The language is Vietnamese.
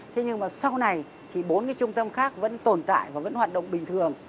thế nhưng mà sau này thì bốn cái trung tâm khác vẫn tồn tại và vẫn hoạt động bình thường